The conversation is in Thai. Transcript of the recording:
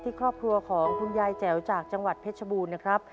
ครอบครัวของคุณยายแจ๋วจากจังหวัดเพชรบูรณ์นะครับ